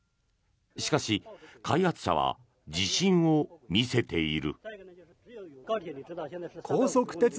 しかし、開発者は自信を見せている。